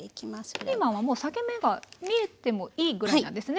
ピーマンはもう裂け目が見えてもいいぐらいなんですね。